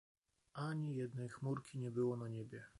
"Ani jednej chmurki nie było na niebie."